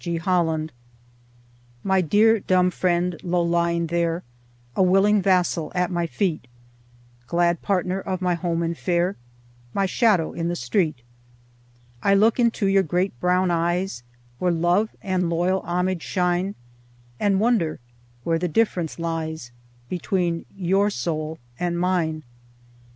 G. HOLLAND My dear dumb friend, low lying there, A willing vassal at my feet; Glad partner of my home and fare, My shadow in the street; I look into your great brown eyes, Where love and loyal homage shine, And wonder where the difference lies Between your soul and mine!